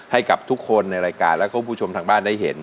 ให้กับทุกคนในรายการและคุณผู้ชมทางบ้านได้เห็น